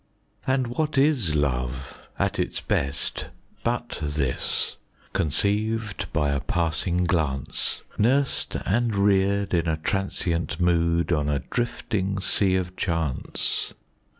And what is love at its best, but this? Conceived by a passing glance, Nursed and reared in a transient mood, on a drifting Sea of Chance.